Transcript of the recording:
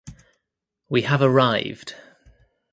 We have arrived!